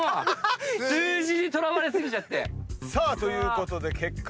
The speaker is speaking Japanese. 数字にとらわれ過ぎちゃって。ということで結果はですね